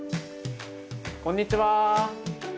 こんにちは。